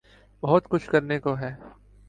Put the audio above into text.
بہت کچھ کرنے کو ہے۔